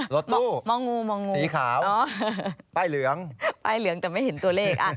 รถตู้มองงูสีขาวใบ้เหลืองแต่ไม่เห็นตัวเลข